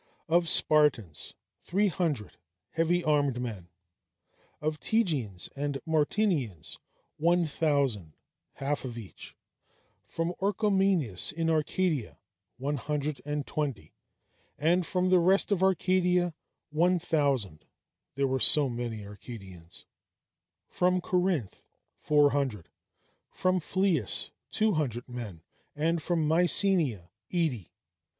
Of Spartans, three hundred heavy armed men; of Tegeans and Mantineans, one thousand (half of each); from Orchomenus in Arcadia, one hundred and twenty; and from the rest of Arcadia, one thousand (there were so many Arcadians); from Corinth, four hundred; from Phlius, two hundred men; and from Mycenæ, eighty.